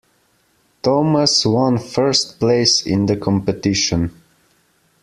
Thomas one first place in the competition.